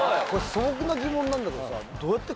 素朴な疑問なんだけどさ。